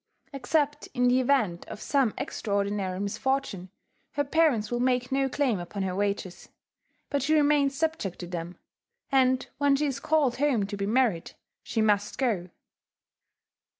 Except in the event of some extraordinary misfortune, her parents will make no claim upon her wages; but she remains subject to them; and when she is called home to be married, she must go.